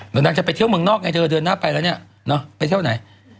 มึงนางจะไปเที่ยวเมืองนอกเดินหน้าไปละไปเที่ยวไหน